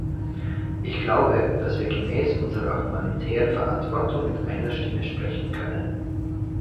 Ich glaube, dass wir gemäß unserer humanitären Verantwortung mit einer Stimme sprechen können.